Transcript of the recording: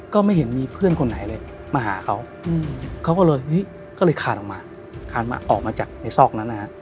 ก็ไม่เห็นมีเพื่อนคนไหนเลยมาหาเขาเขาก็เลยเฮ้ยก็เลยคานออกมาคานมาออกมาจากในซอกนั้นนะฮะ